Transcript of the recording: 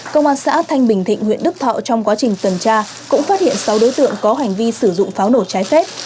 công an xã thanh bình thịnh huyện đức thọ trong quá trình tuần tra cũng phát hiện sáu đối tượng có hành vi sử dụng pháo nổ trái phép